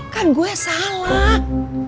kan gue salah